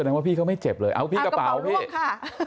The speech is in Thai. สัญญาว่าพี่เขาไม่เจ็บเลยเอ้าพี่กระเป๋าเอากระเป๋าล่วงค่ะ